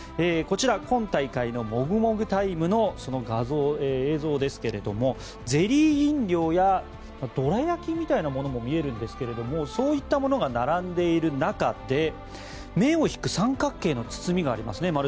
こちら、今大会のもぐもぐタイムのその映像ですが、ゼリー飲料やどら焼きみたいなものも見えるんですがそういったものが並んでいる中で目を引く三角形の包みがありますね。